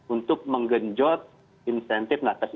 untuk menggenjot insentif nakas ini pak renhat